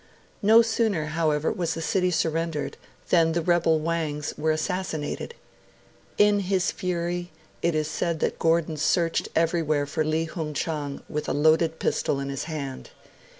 No sooner, however, was the city surrendered than the rebel 'Wangs' were assassinated. In his fury, it is said that Gordon searched everywhere for Li Hung Chang with a loaded pistol in his hand.